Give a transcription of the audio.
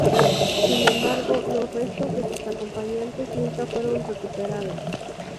Sin embargo, los restos de sus acompañantes nunca fueron recuperados.